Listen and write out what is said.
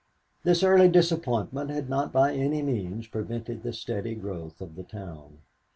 This early disappointment had not by any means prevented the steady growth of the town.